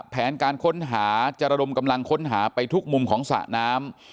แผนการค้นหาจะระดมกำลังค้นหาไปทุกมุมของสระน้ำ